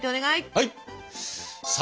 はい！